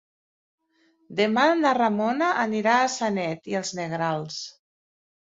Demà na Ramona anirà a Sanet i els Negrals.